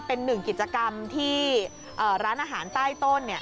เป็นหนึ่งกิจกรรมที่ร้านอาหารใต้ต้น